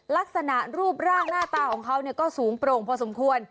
ลักษณะรูปร่างหน้าตาของเขาก็สูงโปร่งพอสมควร